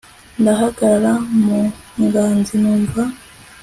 Ndahagarara mu ngazi numva